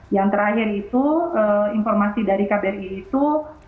yang terakhir itu informasi dari kbri itu